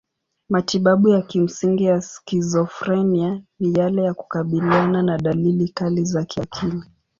Matibabu ya kimsingi ya skizofrenia ni yale ya kukabiliana na dalili kali za kiakili.